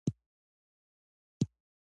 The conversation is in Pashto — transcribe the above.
د تور دیب هغه ډارونکې څېره اوس بربنډه شوه.